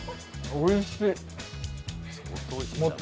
おいしっ！